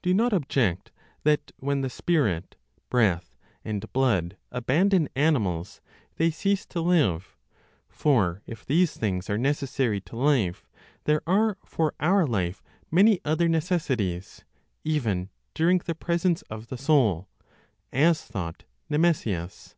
Do not object that when the spirit and blood abandon animals, they cease to live; for if these things are necessary to life, there are for our life many other necessities, even during the presence of the soul (as thought Nemesius).